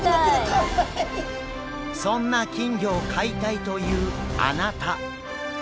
そんな金魚を飼いたいというあなた！